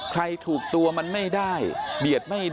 ใครถูกตัวมันไม่ได้